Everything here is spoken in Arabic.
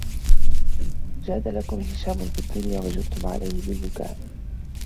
جَادَ لَكُمْ هِشَامٌ بِالدُّنْيَا وَجُدْتُمْ عَلَيْهِ بِالْبُكَاءِ